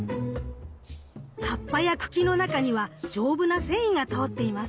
葉っぱや茎の中には丈夫な繊維が通っています。